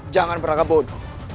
jangan berangkat bodoh